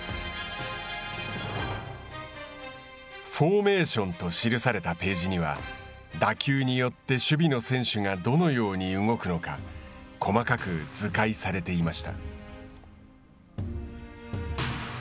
フォーメーションと記されたページには打球によって守備の選手がどのように動くのか細かく図解されていました。